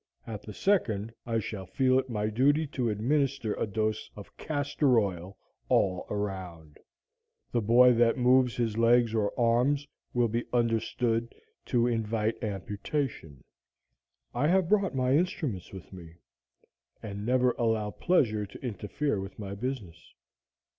At the second, I shall feel it my duty to administer a dose of castor oil, all around. The boy that moves his legs or arms will be understood to invite amputation. I have brought my instruments with me, and never allow pleasure to interfere with my business.